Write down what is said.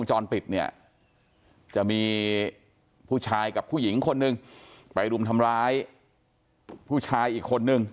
จรปิดเนี่ยจะมีผู้ชายกับผู้หญิงคนหนึ่งไปรุมทำร้ายผู้ชายอีกคนนึง